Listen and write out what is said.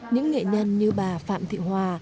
những nghệ nhân như bà phạm thị quỳnh